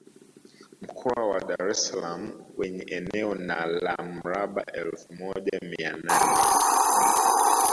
Mkoa wa Dar es Salaam wenye eneo na la mraba efu moja mia nane